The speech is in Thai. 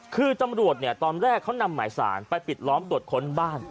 คือตำรวจเนี่ยตอนแรกเขานำหมายสารไปปิดล้อมตรวจค้นบ้าน